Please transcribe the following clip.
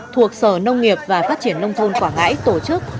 thuộc sở nông nghiệp và phát triển nông thôn quảng ngãi tổ chức